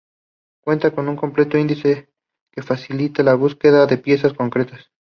Cuenta con un completo índice que facilita la búsqueda de piezas concretas.